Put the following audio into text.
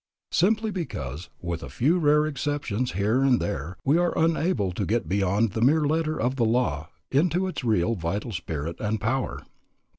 Simply because, with a few rare exceptions here and there, we are unable to get beyond the mere letter of the law into its real vital spirit and power.